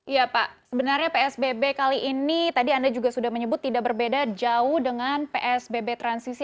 ya pak sebenarnya psbb kali ini tadi anda juga sudah menyebut tidak berbeda jauh dengan psbb transisi